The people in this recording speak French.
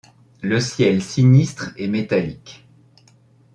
Le ciel sinistre et métallique